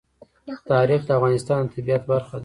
تاریخ د افغانستان د طبیعت برخه ده.